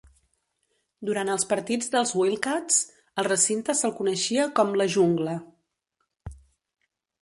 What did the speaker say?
Durant els partits dels Wildcats, al recinte se'l coneixia com "La Jungla".